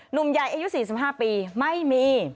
หนุ่มใหญ่อายุ๔๕ปีไม่มี